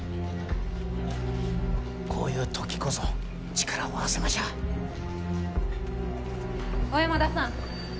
こういう時こそ力を合わせましょう小山田さん